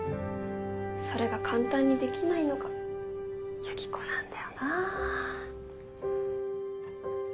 それが簡単にできないのがユキコなんだよなぁ。